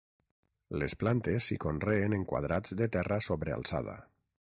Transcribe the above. Les plantes s'hi conreen en quadrats de terra sobrealçada.